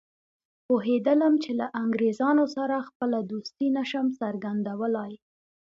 پوهېدلم چې له انګریزانو سره خپله دوستي نه شم څرګندولای.